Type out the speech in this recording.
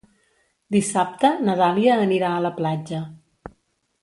Dissabte na Dàlia anirà a la platja.